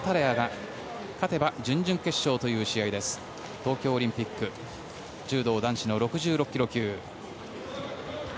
東京オリンピック柔道男子の６６ｋｇ級。